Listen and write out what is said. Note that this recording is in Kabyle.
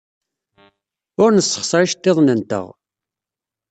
Ur nessexṣer iceḍḍiḍen-nteɣ.